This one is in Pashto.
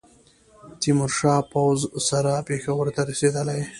تېمورشاه پوځ سره پېښور ته رسېدلی.